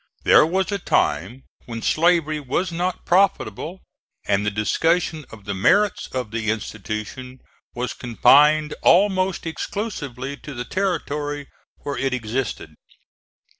There was a time when slavery was not profitable, and the discussion of the merits of the institution was confined almost exclusively to the territory where it existed.